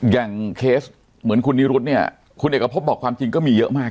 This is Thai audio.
เคสเหมือนคุณนิรุธเนี่ยคุณเอกพบบอกความจริงก็มีเยอะมาก